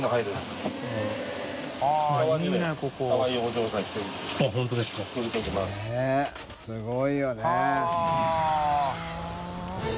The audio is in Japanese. ねぇすごいよね。